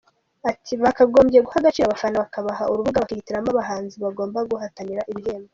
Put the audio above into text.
Ati: “Bakagombye guha agaciro abafana, bakabaha urubuga bakihitiramo abahanzi bagomba guhatanira ibihembo.